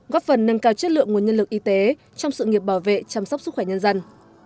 góp phần nâng cao chất lượng nguồn nhân lực y tế trong sự nghiệp bảo vệ chăm sóc sức khỏe nhân dân